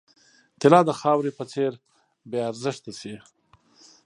طلا د خاورې په څېر بې ارزښته شي.